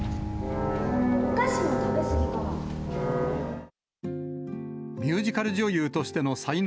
お菓子の食べ過ぎかな。